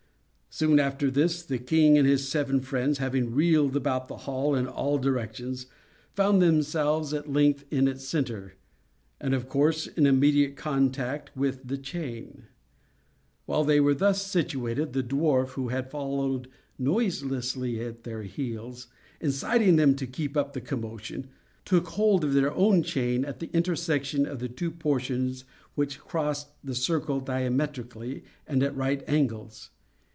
Soon after this, the king and his seven friends having reeled about the hall in all directions, found themselves, at length, in its centre, and, of course, in immediate contact with the chain. While they were thus situated, the dwarf, who had followed noiselessly at their heels, inciting them to keep up the commotion, took hold of their own chain at the intersection of the two portions which crossed the circle diametrically and at right angles.